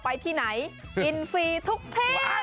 ไปที่ไหนอินฟีธุกเท